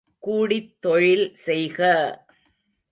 கூடித் தொழில் செய்க!